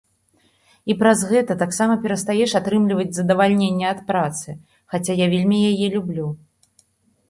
І праз гэта таксама перастаеш атрымліваць задавальненне ад працы, хаця я вельмі яе люблю.